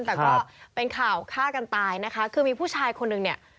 แต่ก็เป็นข่าวฆ่ากันตายนะคะคือมีผู้ชายคนนึงเนี่ย